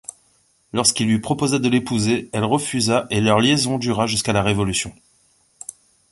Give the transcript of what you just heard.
Lorsqu'il lui proposa de l’épouser, elle refusa et leur liaison dura jusqu'à la Révolution.